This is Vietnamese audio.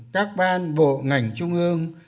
các ban bộ ngành trung ương